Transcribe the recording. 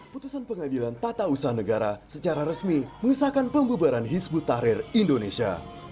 putusan pengadilan tata usaha negara secara resmi mengisahkan pembubaran hizbut tahrir indonesia